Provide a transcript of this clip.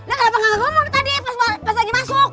eh kenapa gak ngomong tadi pas lagi masuk